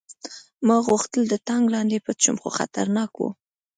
ما غوښتل د ټانک لاندې پټ شم خو خطرناک و